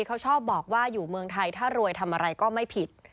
เขาชอบบอกว่าอยู่เมืองไทยถ้ารวยทำอะไรก็ไม่ผิด